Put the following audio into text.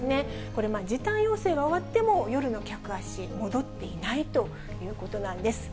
これ、時短要請が終わっても、夜の客足、戻っていないということなんです。